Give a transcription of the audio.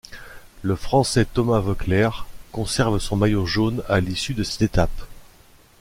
Le Français Thomas Voeckler conserve son maillot jaune à l'issue de cette étape.